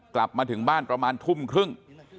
กลับมาถึงบ้านประมาณทุ่มครึ่ง